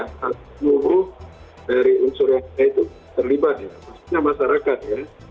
hanya dari unsur yang terlibat ya maksudnya masyarakat ya